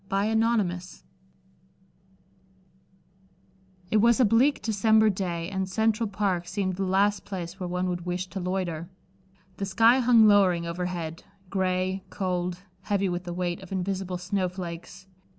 Chapter XXVII It was a bleak December day and Central Park seemed the last place where one would wish to loiter. The sky hung lowering overhead, gray, cold, heavy with the weight of invisible snowflakes.